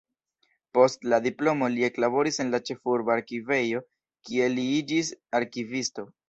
Post la diplomo li eklaboris en la ĉefurba arkivejo, kie li iĝis arkivisto.